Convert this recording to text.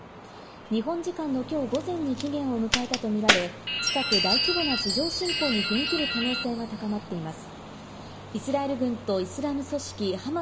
日本時間のきょう午前に期限を迎えたとみられ、近く大規模な地上侵攻に踏み切る可能性が高まっています。